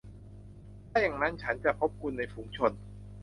ถ้าอย่างนั้นฉันจะพบคุณในฝูงชน ?